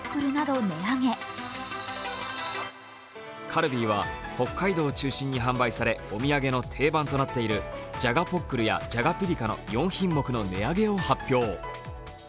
カルビーは北海道を中心に販売されお土産の定番となっているじゃがポックルやじゃがピリカの４品目の値上げを発表。